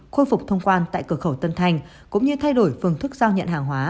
côi phục thông quan tại cửa khẩu tân thành cũng như thay đổi phương thức giao nhận hàng hóa